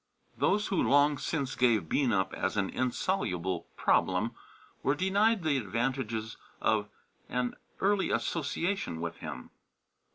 Those who long since gave Bean up as an insoluble problem were denied the advantages of an early association with him.